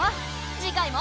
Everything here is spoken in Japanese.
次回も。